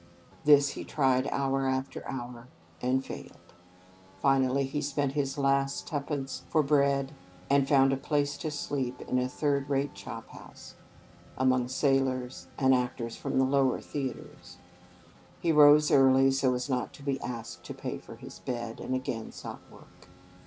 This he tried hour after hour, and failed. Finally he spent his last twopence for bread, and found a place to sleep in a third rate chop house, among sailors, and actors from the lower theatres. He rose early, so as not to be asked to pay for his bed, and again sought work.